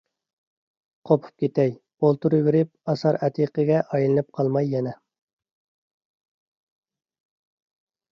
قوپۇپ كېتەي، ئولتۇرۇۋېرىپ ئاسارئەتىقىگە ئايلىنىپ قالماي يەنە.